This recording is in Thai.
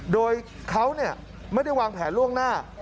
โดยเขาไม่ได้วางแผนล่วงหน้า